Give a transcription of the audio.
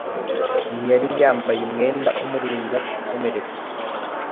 ntiyari yambaye umwenda umurinda gukomeretswa